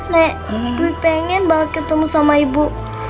nek gue pengen banget ketemu sama ibu